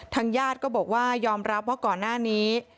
ญาติก็บอกว่ายอมรับว่าก่อนหน้านี้